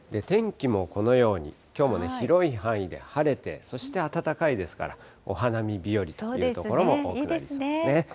天気もこのように、きょうも広い範囲で晴れて、そして暖かいですから、お花見日和という所も多くなりそうですね。